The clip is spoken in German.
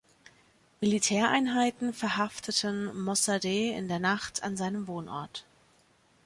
Militäreinheiten verhafteten Mossadegh in der Nacht an seinem Wohnort.